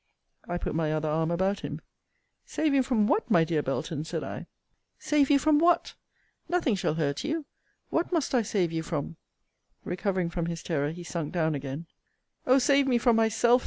I put my other arm about him Save you from what, my dear Belton! said I; save you from what? Nothing shall hurt you. What must I save you from? Recovering from his terror, he sunk down again, O save me from myself!